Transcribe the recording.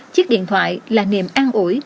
chiếc điện thoại là niềm ăn uổi